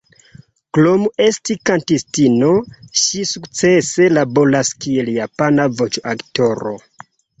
Krom esti kantistino, ŝi sukcese laboras kiel japana voĉoaktoro.